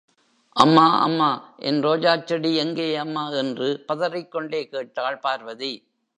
அம்மா, அம்மா என் ரோஜாச் செடி எங்கே அம்மா? என்று பதறிக்கொண்டே கேட்டாள் பார்வதி.